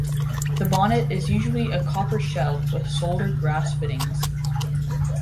The bonnet is usually a copper shell with soldered brass fittings.